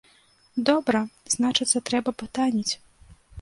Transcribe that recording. Добра, значыць трэба батаніць.